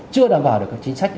chưa đảm bảo được các chính sách